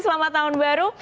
selamat tahun baru